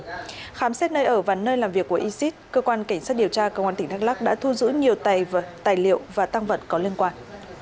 khi khám xét nơi ở và nơi làm việc của e sit cơ quan cảnh sát điều tra công an tỉnh đắk lắc đã thu giữ nhiều tài liệu và tăng vật có liên quan